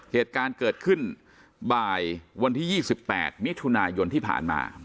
เหตุการณ์เกิดขึ้นบ่ายวันที่๒๘มิถุนายนที่ผ่านมา